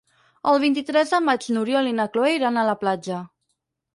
El vint-i-tres de maig n'Oriol i na Cloè iran a la platja.